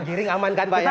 giring amankan banyak